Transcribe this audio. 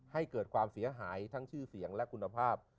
ให้เกิดความเสียหายทั้งชื่อเสียงและคุณภาพ